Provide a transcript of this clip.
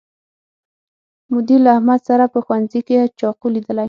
مدیر له احمد سره په ښوونځي کې چاقو لیدلی